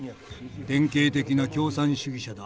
「典型的な共産主義者だ。